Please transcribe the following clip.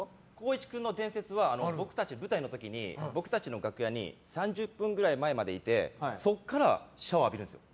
舞台の時に僕たちの楽屋に３０分前くらいまでいてそこからシャワー浴びるんですよ。